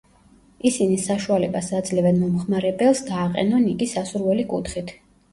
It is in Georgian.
ისინი საშუალებას აძლევენ მომხმარებელს დააყენონ იგი სასურველი კუთხით.